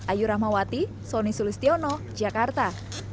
ayu rahmawati soni sulistiono jakarta